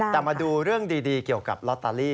แต่มาดูเรื่องดีเกี่ยวกับลอตเตอรี่